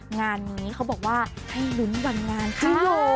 งานนี้เขาบอกว่าให้ลุ้นวันงานค่ะ